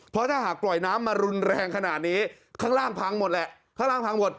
เพราะถ้าหากปล่อยน้ำมารุนแรงขนาดนี้ข้างล่างพังหมดแหละข้างล่างพังหมด